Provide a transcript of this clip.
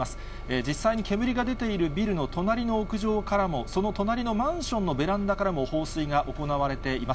実際に煙が出ているビルの隣の屋上からも、その隣のマンションのベランダからも放水が行われています。